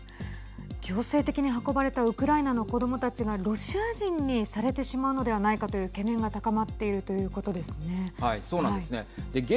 強制的に運ばれたウクライナの子どもたちがロシア人にされてしまうのではないかという懸念が高まっているということですね。